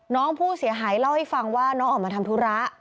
น้องผู้เสียหายเล่าให้ฟังว่าน้องออกมาทำธุระ